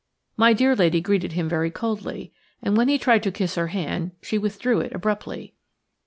My dear lady greeted him very coldly, and when he tried to kiss her hand she withdrew it abruptly.